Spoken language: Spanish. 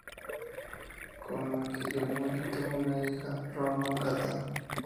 Con Kiyomori tuvo una hija; Ro no Kata.